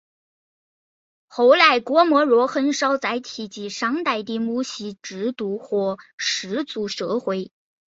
后来郭沫若很少再提及商代的母系制度和氏族社会。